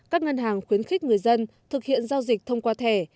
các ngân hàng khuyến khích người dân thực hiện giao dịch thông qua thẻ